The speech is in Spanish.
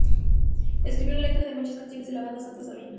Escribió la letra de muchas canciones de la banda Santa Sabina.